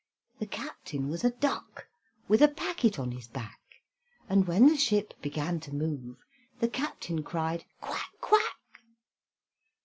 The captain was a duck, With a packet on his back; And when the ship began to move, The captain cried, "Quack, quack!"